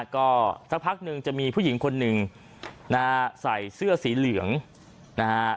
ก็สักพักหนึ่งจะมีผู้หญิงคนหนึ่งนะฮะใส่เสื้อสีเหลืองนะฮะ